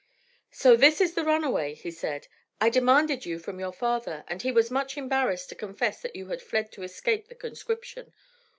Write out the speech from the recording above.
"So this is the runaway," he said. "I demanded you from your father, and he was much embarrassed to confess that you had fled to escape the conscription.